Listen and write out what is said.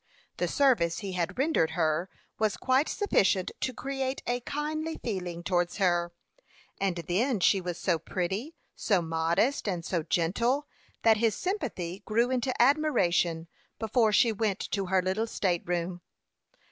The service he had rendered her was quite sufficient to create a kindly feeling towards her; and then she was so pretty, so modest, and so gentle, that his sympathy grew into admiration before she went to her little state room.